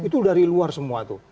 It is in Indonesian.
dua dari luar semua itu